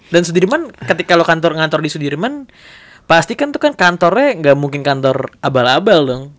dan sudirman kalo kantor ngantor di sudirman pasti kan tuh kan kantornya gak mungkin kantor abal abal dong